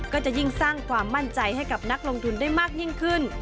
ก็จะยิ่งสร้างความมั่นใจให้กับนักลงทุนได้มากยิ่งขึ้น